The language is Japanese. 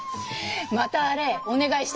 またあれお願いしてもいい？